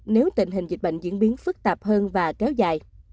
nếu tình hình dịch bệnh diễn biến phức tạp hơn và kéo dài